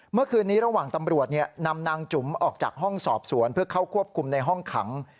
เมื่อคืนนี้ระหว่างตำรวจนำนางจุ๋มออกจากห้องสอบสวนเพื่อเข้าควบคุมในห้องขัง